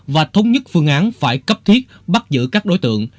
và thống nhất phương án phải cấp thiết bắt giữ các đối tượng